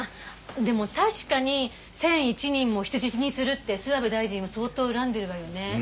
でも確かに１００１人も人質にするって諏訪部大臣を相当恨んでるわよね。